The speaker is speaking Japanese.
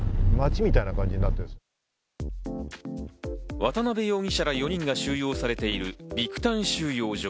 渡辺容疑者ら４人が収容されているビクタン収容所。